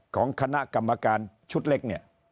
ของคณะกรรมการชุดเล็กเนี่ย